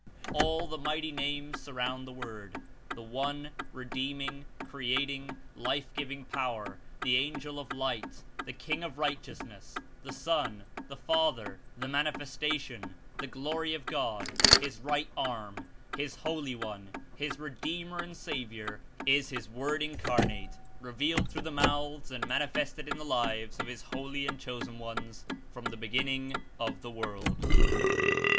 All the mighty names surround the The Mighty TTT J ^t_ 1 •• Names Word. 1 he one, redeemmg, creatmg, life giving Power, the Angel of Light, the King of Righteousness, the Son, the Father, the Manifesta 23 tion, the Glory of God, his Right Arm, his Holy One, his Redeemer and Saviour, Is his Word Incarnate, revealed through the mouths and manifested In the lives of his holy and chosen Ones from the beginning of the world.